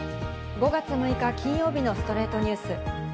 ５月６日、金曜日の『ストレイトニュース』。